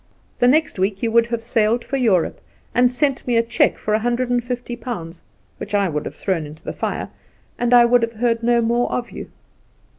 The next week you would have sailed for Europe, and have sent me a check for a hundred and fifty pounds (which I would have thrown in the fire), and I would have heard no more of you."